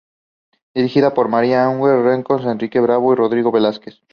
Dirigida por María Eugenia Rencoret, Enrique Bravo y Rodrigo Velásquez.